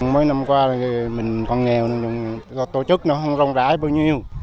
mấy năm qua mình còn nghèo tổ chức nó không rong rãi bao nhiêu